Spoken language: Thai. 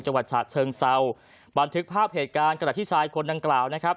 จังหวัดฉะเชิงเซาบันทึกภาพเหตุการณ์ขณะที่ชายคนดังกล่าวนะครับ